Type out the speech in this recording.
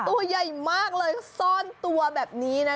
ตัวใหญ่มากเลยซ่อนตัวแบบนี้นะ